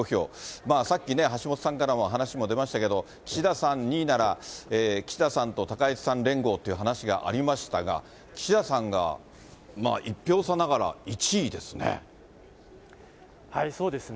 まあさっきね、橋下さんから話も出ましたけど、岸田さん２位なら岸田さんと高市さん連合という話がありましたが、岸田さんが１票差ながら１位ですね。